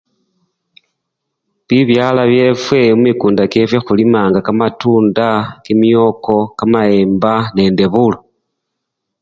Bibyalwa byefwe mumikunda kyefwe khulimanga kamatunda, kimyoko, kamayemba nende bulo.